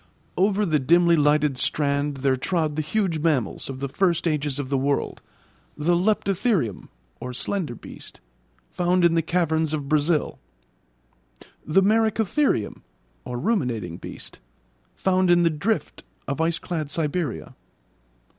Over the dimly lighted strand there trod the huge mammals of the first ages of the world, the leptotherium (slender beast), found in the caverns of Brazil; the merycotherium (ruminating beast), found in the 'drift' of iceclad Siberia.